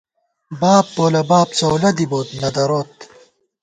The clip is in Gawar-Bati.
باب پولہ باب څؤلہ دِبوت ، نہ دروت